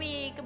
apa yang pak